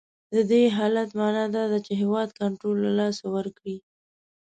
د دې حالت معنا دا ده چې هیواد کنټرول له لاسه ورکړی.